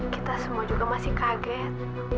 kita semua juga masih kaget